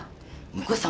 婿さん